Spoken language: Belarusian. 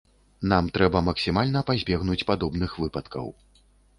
Нам трэба максімальна пазбегнуць падобных выпадкаў.